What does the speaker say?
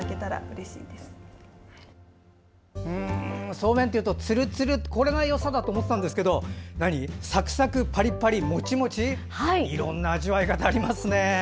そうめんっていうとツルツルそれがよさだと思ってたんですがサクサク、パリパリ、モチモチいろんな味わい方がありますね。